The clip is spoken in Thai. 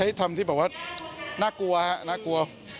ก็ใช้ธรรมที่บอกว่าน่ากลัวน่ากลัว